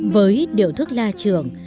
với điểu thức la trưởng